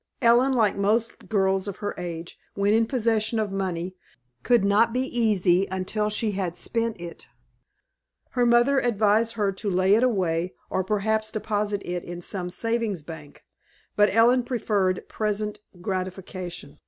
Ellen, like most girls of her age, when in possession of money, could not be easy until she had spent it. Her mother advised her to lay it away, or perhaps deposit it in some Savings Bank; but Ellen preferred present gratification.